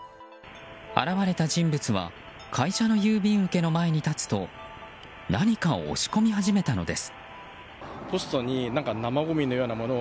現れた人物は会社の郵便受けの前に立つと何かを押し込み始めたのです。